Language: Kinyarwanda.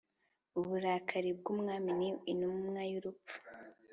Uburakari bw umwami ni intumwa y urupfu